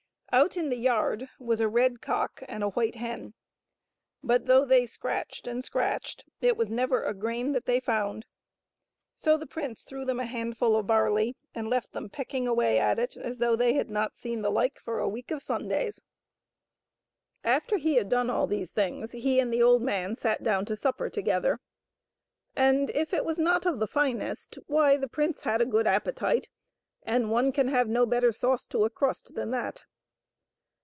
Out in the yard was a red cock and a white hen, but though they scratched and scratched it was never a grain that they found. So the prince threw them a handful of barley and left them pecking away at it, as though they had not seen the like for a week of Sundays. € ectat, tkkont no THE WHITE BIRD. After he had done all these things, he and the old man sat down to sup per together, and, if it was not of the finest, why the prince had a good appetite, and one can have no better sauce to a crust than that.